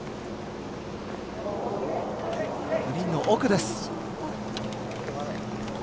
グリーンの奥です。